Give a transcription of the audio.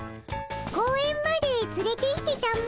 公園までつれていってたも。